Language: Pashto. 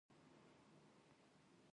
آیا دا خدمات په کابل کې دي؟